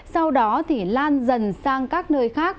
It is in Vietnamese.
sau đó lan dần sang các nơi khác